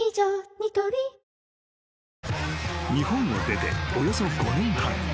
ニトリ［日本を出ておよそ５年半］